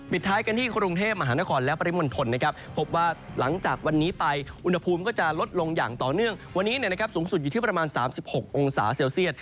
ท้ายกันที่กรุงเทพมหานครและปริมณฑลนะครับพบว่าหลังจากวันนี้ไปอุณหภูมิก็จะลดลงอย่างต่อเนื่องวันนี้สูงสุดอยู่ที่ประมาณ๓๖องศาเซลเซียต